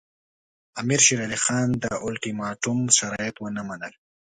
امیر شېر علي خان د اولټیماټوم شرایط ونه منل.